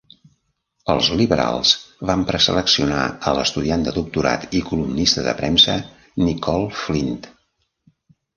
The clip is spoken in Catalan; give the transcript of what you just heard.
Els Liberals van preseleccionar a l'estudiant de doctorat i columnista de premsa Nicolle Flint.